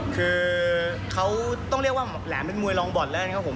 คือเขาต้องเรียกว่าหมอแหลมเป็นมวยรองบ่อนแล้วนะครับผม